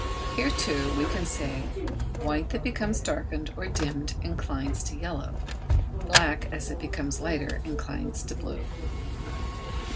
Here, too, we can say, white that becomes darkened or dimmed inclines to yellow; black, as it becomes lighter, inclines to blue.